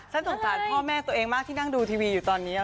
สงสารพ่อแม่ตัวเองมากที่นั่งดูทีวีอยู่ตอนนี้